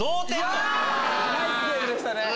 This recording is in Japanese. ナイスゲームでしたね。